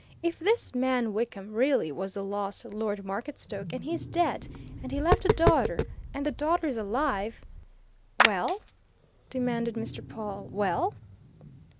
"If this man Wickham really was the lost Lord Marketstoke, and he's dead, and he left a daughter, and the daughter's alive " "Well?" demanded Mr. Pawle. "Well?"